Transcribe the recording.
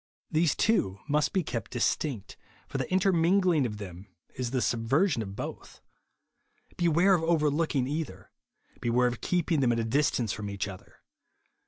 These two must be kept distinct ; for the intermingling of them is the subversion of both. Beware of over looking either ; beware of keeping them at a distance from each other.